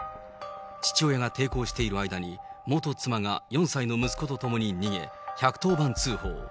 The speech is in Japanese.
父親が抵抗している間に、元妻が４歳の息子と共に逃げ、１１０番通報。